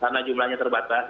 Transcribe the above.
karena jumlahnya terbatas